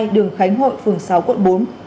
đường khánh hội phường sáu quận bốn